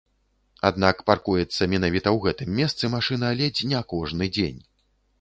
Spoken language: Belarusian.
Аднак паркуецца менавіта ў гэтым месцы машына ледзь не кожны дзень.